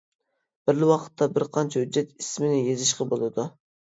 بىرلا ۋاقىتتا بىر قانچە ھۆججەت ئىسمىنى يېزىشقا بولىدۇ.